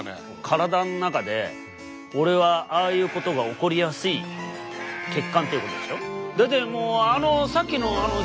体の中で俺はああいうことが起こりやすい血管っていうことでしょ？